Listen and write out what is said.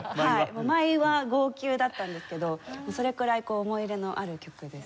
毎話号泣だったんですけどそれくらいこう思い入れのある曲です。